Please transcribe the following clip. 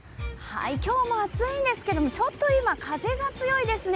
今日も暑いんですけど、ちょっと今風が強いですね。